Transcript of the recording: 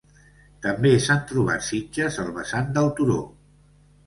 També s'han trobat sitges al vessant del turó.